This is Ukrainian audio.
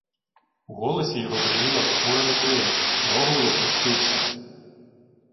У голосі його бриніла похмура неприязнь, і Рогволод одчув се.